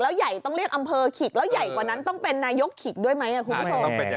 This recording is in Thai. ใหญ่ต้องเรียกอำเภอขิกแล้วใหญ่กว่านั้นต้องเป็นนายกขิกด้วยไหมคุณผู้ชม